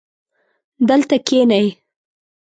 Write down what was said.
دلته کښېنئ